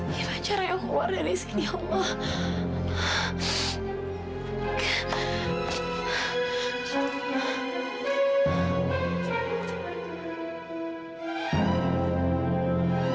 gimana caranya aku keluar dari sini allah